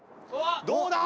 どうだ